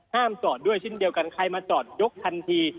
จอดด้วยเช่นเดียวกันใครมาจอดยกทันที